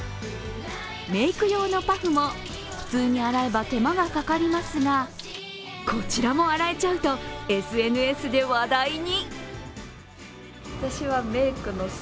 メーク用のパフも普通に洗えば手間がかかりますがこちらも洗えちゃうとＳＮＳで話題に。